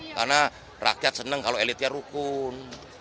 karena rakyat seneng kalau elitnya rukun